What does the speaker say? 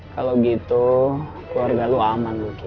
kalau gitu keluarga lu aman lucky